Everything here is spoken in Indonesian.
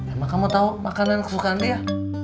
emang kamu tau makanan kesukaan dia